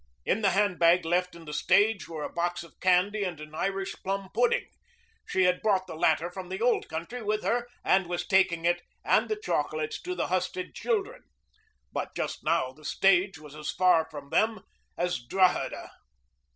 In the handbag left in the stage were a box of candy and an Irish plum pudding. She had brought the latter from the old country with her and was taking it and the chocolates to the Husted children. But just now the stage was as far from them as Drogheda.